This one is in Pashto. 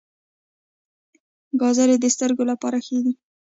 ګازرې د سترګو لپاره ښې دي